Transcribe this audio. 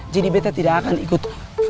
jadi bete tidak akan ikut flying fox